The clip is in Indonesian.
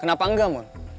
kenapa enggak mon